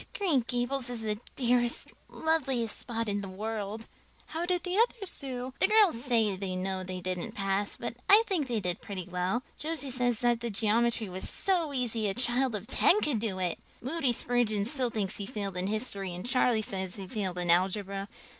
Green Gables is the dearest, loveliest spot in the world." "How did the others do?" "The girls say they know they didn't pass, but I think they did pretty well. Josie says the geometry was so easy a child of ten could do it! Moody Spurgeon still thinks he failed in history and Charlie says he failed in algebra.